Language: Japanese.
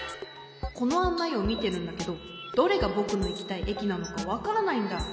このあんないをみてるんだけどどれがぼくのいきたいえきなのかわからないんだ。